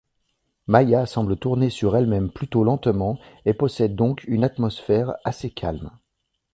Maïa semble tourner sur elle-même plutôt lentement et possède donc une atmosphère assez calme.